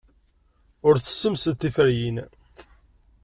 Ur tessemsed tiferyin.